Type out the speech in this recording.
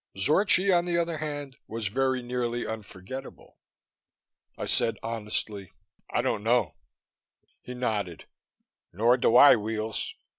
Zorchi, on the other hand, was very nearly unforgettable. I said honestly, "I don't know." He nodded. "Nor do I, Weels.